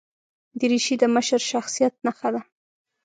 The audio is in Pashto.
دریشي د مشر شخصیت نښه ده.